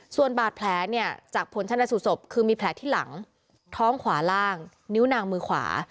ส่วนบาดแผลเนี่ยจากผลชนะสูตรศพคือมีแผลที่หลังท้องขวาล่างนิ้วนางมือขวา